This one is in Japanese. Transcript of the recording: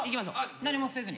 何もせずに？